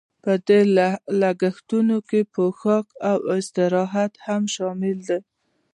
په دې لګښتونو کې پوښاک او استراحت هم شامل دي